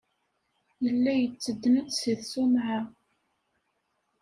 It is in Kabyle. Yella yettedden-d seg tṣumɛa.